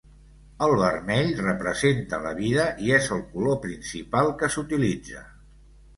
El vermell representa la vida i és el color principal que s'utilitza.